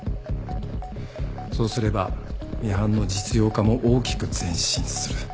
そうすればミハンの実用化も大きく前進する。